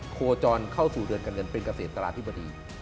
โคจรเข้าสู่เดือนการเงินเป็นเกษตราธิบดี